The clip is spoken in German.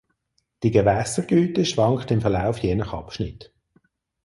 Die Gewässergüte schwankt im Verlauf je nach Abschnitt.